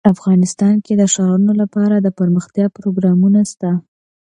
افغانستان کې د ښارونه لپاره دپرمختیا پروګرامونه شته.